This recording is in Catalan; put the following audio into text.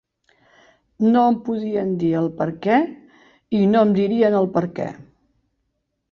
No em podien dir el perquè i no em dirien el perquè.